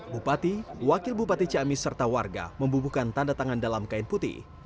bupati wakil bupati ciamis serta warga membubuhkan tanda tangan dalam kain putih